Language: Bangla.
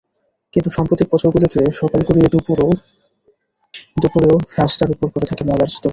কিন্তু সাম্প্রতিক বছরগুলোতে সকাল গড়িয়ে দুপুরেও রাস্তার ওপর পড়ে থাকে ময়লার স্তূপ।